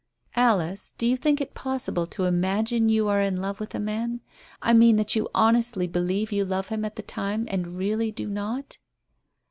"Alice, do you think it is possible to imagine you are in love with a man I mean, that you honestly believe you love him at the time and really do not?"